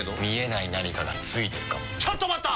見えない何かがついてるかも。